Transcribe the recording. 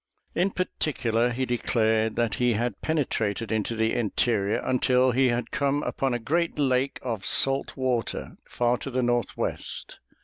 In particular, he declared that he had penetrated into the interior until he had come upon a great lake of salt water, far to the northwest.